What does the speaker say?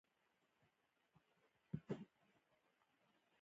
جميله وپوښتل اوس څو بجې دي.